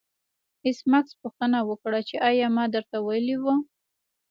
ایس میکس پوښتنه وکړه چې ایا ما درته ویلي وو